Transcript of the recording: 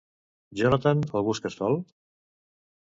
Jonathan el busca sol?